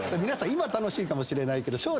皆さん今楽しいかもしれないけど。